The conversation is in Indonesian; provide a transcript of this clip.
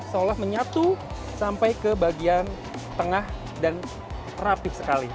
seolah menyatu sampai ke bagian tengah dan rapih sekali